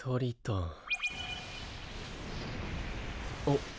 あっ。